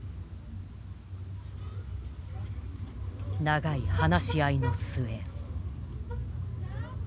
長い話し合いの末。